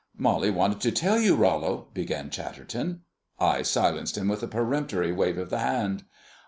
"Molly wanted to tell you, Rollo " began Chatterton. I silenced him with a peremptory wave of the hand.